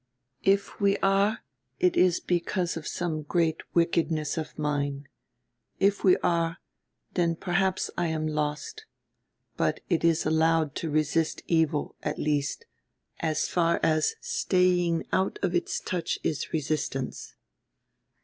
"If we are it is because of some great wickedness of mine. If we are, then perhaps I am lost. But it is allowed to resist evil, at least, as far as staying out of its touch is resistance."